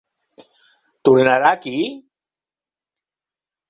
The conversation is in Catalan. Tornarà aquí?